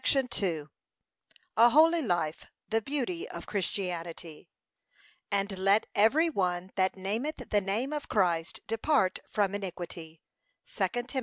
JOHN BUNYAN A HOLY LIFE THE BEAUTY OF CHRISTIANITY 'AND, LET EVERY ONE THAT NAMETH THE NAME OF CHRIST DEPART FROM INIQUITY, 2 TIM.